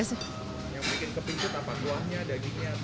yang bikin kepikut apa goyangnya dagingnya